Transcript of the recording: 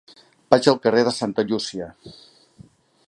Vaig al carrer de Santa Llúcia.